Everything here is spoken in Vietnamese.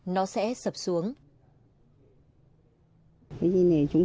nó sẽ sập xuống